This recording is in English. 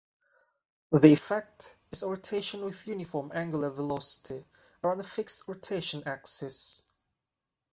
The effect is a rotation with uniform angular velocity around a fixed rotation axis.